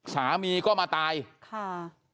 สามีก็มาตายค่ะ